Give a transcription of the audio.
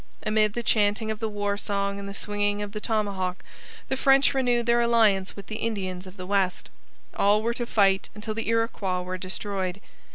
Amid the chanting of the war song and the swinging of the tomahawk the French renewed their alliance with the Indians of the West. All were to fight until the Iroquois were destroyed.